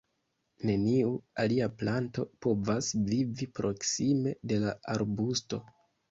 Neniu alia planto povas vivi proksime de la arbusto.